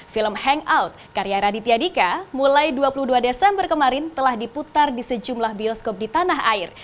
film hangout karya raditya dika mulai dua puluh dua desember kemarin telah diputar di sejumlah bioskop di tanah air